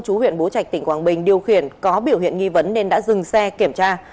chú huyện bố trạch tỉnh quảng bình điều khiển có biểu hiện nghi vấn nên đã dừng xe kiểm tra